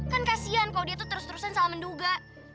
kan kasian kalo dia tuh terus terusan salah menduga